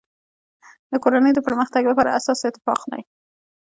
د کورنی د پرمختګ لپاره اساس اتفاق دی.